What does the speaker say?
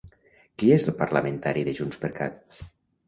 Qui és el parlamentari de JxCat?